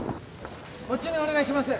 こっちにお願いします。